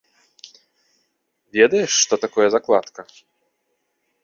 Ведаеш, што такое закладка?